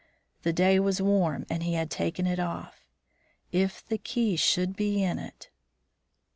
The day was warm and he had taken it off. _If the key should be in it!